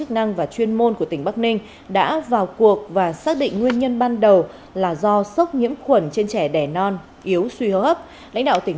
cảm ơn các bạn đã theo dõi